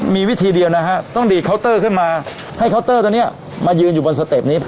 มีวิธีเดียวนะฮะต้องดีดเคาน์เตอร์ขึ้นมาให้เคาน์เตอร์ตัวนี้มายืนอยู่บนสเต็ปนี้